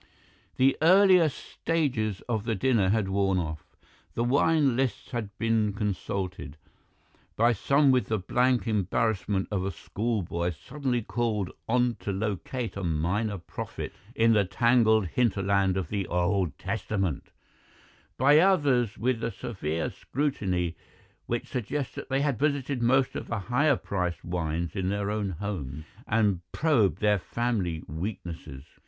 "The earlier stages of the dinner had worn off. The wine lists had been consulted, by some with the blank embarrassment of a schoolboy suddenly called on to locate a Minor Prophet in the tangled hinterland of the Old Testament, by others with the severe scrutiny which suggests that they have visited most of the higher priced wines in their own homes and probed their family weaknesses.